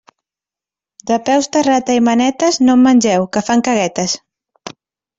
De peus de rata i manetes, no en mengeu, que fan caguetes.